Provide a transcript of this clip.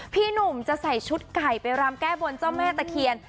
พี่หนุ่มจะใส่ชุดไก่ไปรำแก้บนเจ้าแม่ตะเคียน